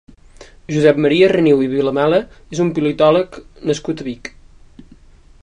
Josep Maria Reniu i Vilamala és un politòleg nascut a Vic.